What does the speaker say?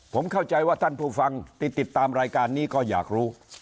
ผมเข้าใจว่าท่านผู้ฟังที่ติดตามรายการนี้ก็อยากรู้